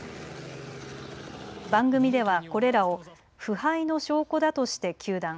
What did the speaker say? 番組では、これらを腐敗の証拠だとして糾弾。